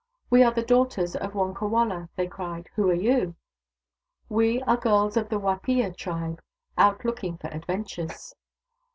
" We are the daughters of Wonkawala," they cried. " WTio are you ?"" We are girls of the Wapiya tribe, out looking for adventures."